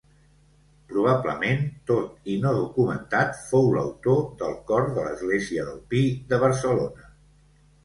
Probablement, tot i no documentat, fou l'autor del cor de l'església del Pi, de Barcelona.